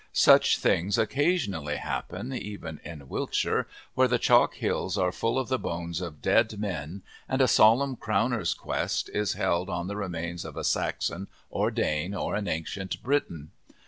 Such things occasionally happen, even in Wiltshire where the chalk hills are full of the bones of dead men, and a solemn Crowner's quest is held on the remains of a Saxon or Dane or an ancient Briton.